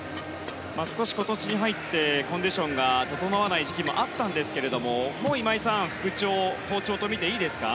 少し今年に入ってコンディションが整わない時期もあったんですけれども今井さん、もう復調好調と見ていいですか？